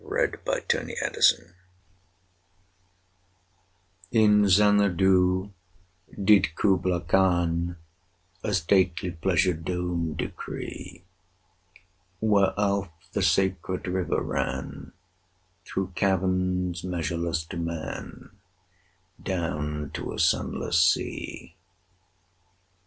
[297:2] KUBLA KHAN In Xanadu did Kubla Khan A stately pleasure dome decree: Where Alph, the sacred river, ran Through caverns measureless to man Down to a sunless sea.